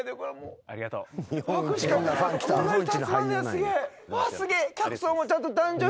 すげえ。